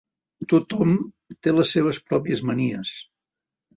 Tothom té les seves pròpies manies.